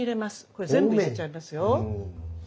これ全部入れちゃいますよ。